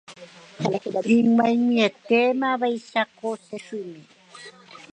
ig̃uaig̃uietémavaicha ko che symi